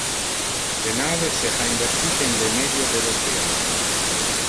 Le nave se ha invertite in le medio del oceano.